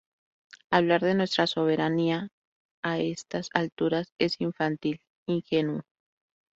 Hablar de nuestra soberanía a estas alturas es infantil, ingenuo.